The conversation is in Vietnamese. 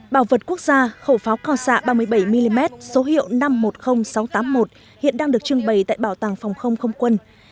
bảo vật quốc gia khẩu pháo cao xạ ba mươi bảy mm số hiệu năm trăm một mươi nghìn sáu trăm tám mươi một hiện đang được trưng bày tại bảo tàng phòng không không quân